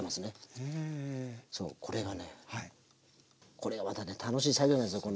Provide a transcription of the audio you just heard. これまたね楽しい作業なんですよ。